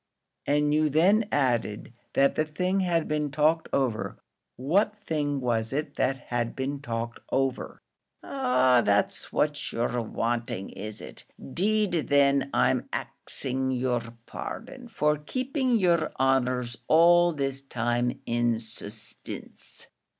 "And you then added that the thing had been talked over; what thing was it that had been talked over?" "Ah, that's what you're wanting, is it? 'Deed thin I'm axing yer pardon for keeping yer honours all this time in suspinse.